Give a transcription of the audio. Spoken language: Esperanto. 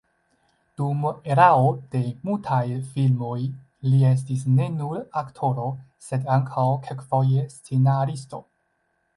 Dum erao de mutaj filmoj li estis ne nur aktoro, sed ankaŭ kelkfoje scenaristo.